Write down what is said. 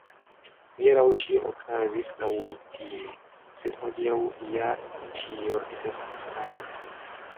Hieraŭ ĉio okazis laŭrutine, sed hodiaŭ ja ĉio estas stranga!